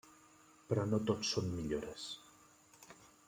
Però no tot són millores.